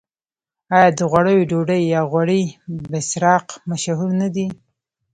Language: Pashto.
آیا د غوړیو ډوډۍ یا غوړي بسراق مشهور نه دي؟